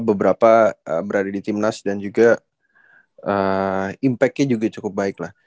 beberapa berada di tim nas dan juga impact nya juga cukup baik lah